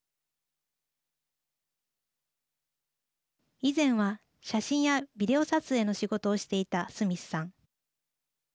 以前は写真やビデオ撮影の仕事をしていたスミスさん。